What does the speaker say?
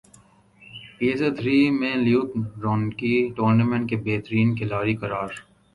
پی S L three میں Luke Ronchi tournament کے بہترین کھلاڑی قرار